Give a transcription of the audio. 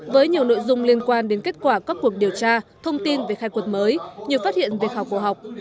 với nhiều nội dung liên quan đến kết quả các cuộc điều tra thông tin về khảo cổ học mới nhiều phát hiện về khảo cổ học